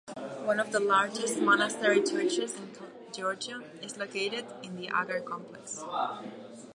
One of the largest monastery churches in Georgia is located in the Agar complex.